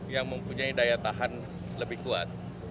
yang mempunyai daya tahan lebih kuat